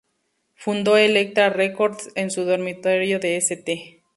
Fundó Elektra Records en su dormitorio de St.